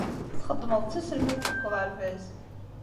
Txeddmeḍ d taselmadt deg uɣerbaz.